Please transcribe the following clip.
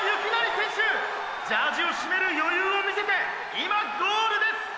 ジャージを閉める余裕を見せて今ゴールです！！」